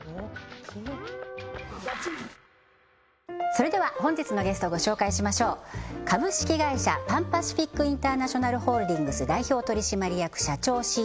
それでは本日のゲストをご紹介しましょう株式会社パン・パシフィック・インターナショナルホールディングス代表取締役社長ＣＥＯ